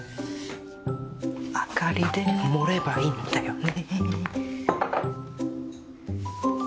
明かりで盛ればいいんだよね。